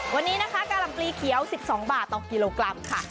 วันนี้นะคะกาลัมปลีเขียวสิบสองบาทต่อกิโลกรัมค่ะ